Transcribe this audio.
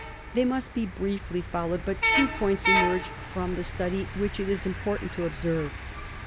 They must be briefly followed, but two points emerge from the study which it is important to observe.